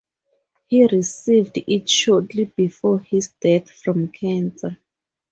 He received it shortly before his death from cancer.